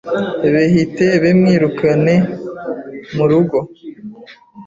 behite bemwirukene mu rugo